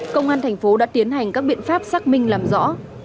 công an thành phố đã tiến hành các biện pháp xác minh làm rõ